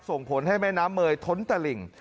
ส่งผลให้แม่น้ำเมยท้นตะหลิ่ง